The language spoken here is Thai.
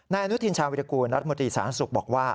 อนุทินชาวิรกูลรัฐมนตรีสาธารณสุขบอกว่า